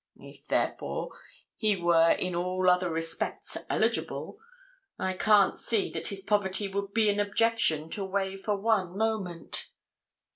If, therefore, he were in all other respects eligible, I can't see that his poverty would be an objection to weigh for one moment.